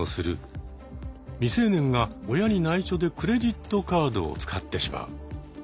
未成年が親にないしょでクレジットカードを使ってしまう。